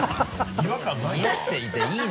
違和感ないわ。